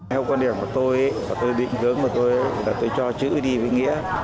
theo quan điểm của tôi định hướng của tôi là tôi cho chữ đi với nghĩa